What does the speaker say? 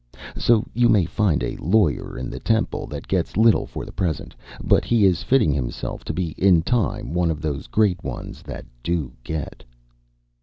So you may find a lawyer in the Temple that gets little for the present; but he is fitting himself to be in time one of those great ones that do get."